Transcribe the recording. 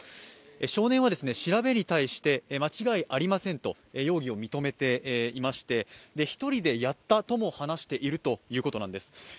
少年は調べに対して、間違いありませんと容疑を認めていまして、１人でやったとも話しているということなんです。